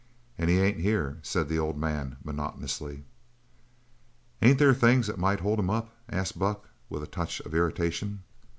"And he ain't here," said the old man monotonously. "Ain't there things that might hold him up?" asked Buck, with a touch of irritation.